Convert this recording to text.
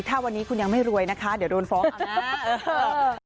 ถ้าวันนี้คุณยังไม่รวยนะคะเดี๋ยวโดนฟ้องเอานะ